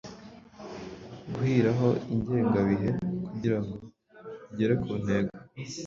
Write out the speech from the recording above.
Guhiraho ingengabihe kugirango ugere ku ntego